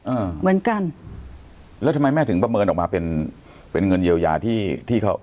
อ่าเหมือนกันแล้วทำไมแม่ถึงประเมินออกมาเป็นเป็นเงินเยียวยาที่ที่เขา